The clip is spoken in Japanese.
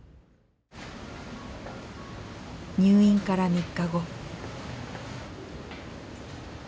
入院から３日後。